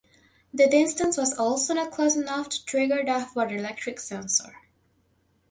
The distance was also not close enough to trigger the photoelectric sensor.